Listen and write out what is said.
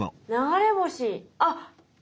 あっ！